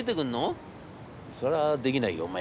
『それはできないよお前。